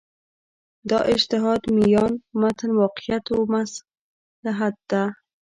دا اجتهاد میان متن واقعیت و مصلحت ده.